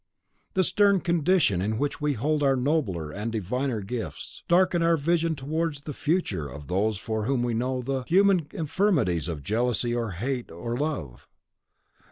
The stern condition on which we hold our nobler and diviner gifts darkens our vision towards the future of those for whom we know the human infirmities of jealousy or hate or love.